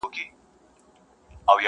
عشق مي ژبه را ګونګۍ کړه,